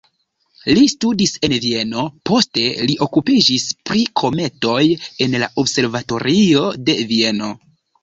Li studis en Vieno, poste li okupiĝis pri kometoj en la observatorio de Vieno.